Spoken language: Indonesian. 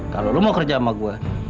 kalau lo mau kerja sama gue